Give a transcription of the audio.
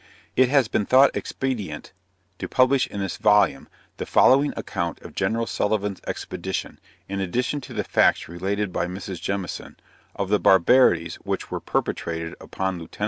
It has been thought expedient to publish in this volume, the following account of Gen. Sullivan's expedition, in addition to the facts related by Mrs. Jemison, of the barbarities which were perpetrated upon Lieut.